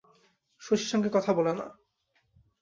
শশীর সঙ্গে কথা বলে না।